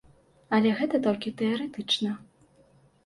Але гэта толькі тэарэтычна.